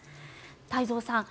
太蔵さん